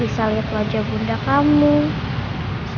orang yang tadi siang dimakamin